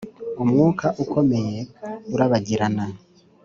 umwuka ukomeye, urabagirana